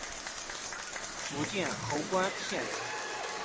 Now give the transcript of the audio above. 福建侯官县人。